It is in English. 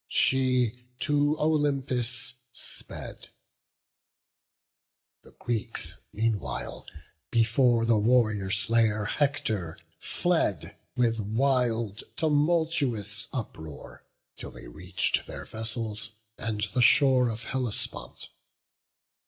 She to Olympus sped; the Greeks meanwhile Before the warrior slayer Hector fled With wild, tumultuous uproar, till they reach'd Their vessels and the shore of Hellespont.